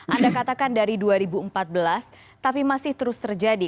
anda katakan dari dua ribu empat belas tapi masih terus terjadi